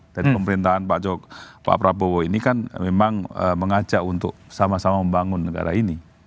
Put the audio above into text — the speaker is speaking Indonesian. dan pemerintahan pak prabowo ini kan memang mengajak untuk sama sama membangun negara ini